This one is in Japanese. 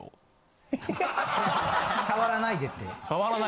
触らないでって。